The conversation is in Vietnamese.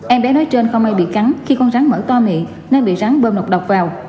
em bé nói trên không may bị cắn khi con rắn mở to miệng nên bị rắn bơm độc vào